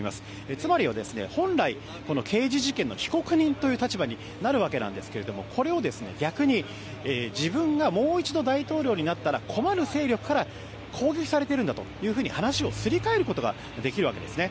つまりは、本来、刑事事件の被告人という立場になるわけですがこれを逆に、自分がもう一度大統領になったら困る勢力から攻撃されているんだと話をすり替えることができるわけですね。